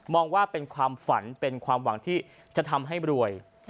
ว่าเป็นความฝันเป็นความหวังที่จะทำให้รวย